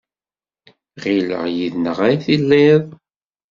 Ɣileɣ yid-neɣ ay telliḍ.